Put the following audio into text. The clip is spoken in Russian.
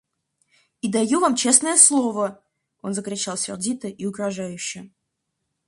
И даю вам честное слово, — он закричал сердито и угрожающе.